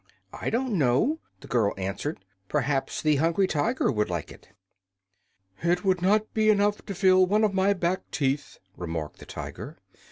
"I do not know," the girl answered. "Perhaps the Hungry Tiger would like it." "It would not be enough to fill one of my back teeth," remarked the Tiger.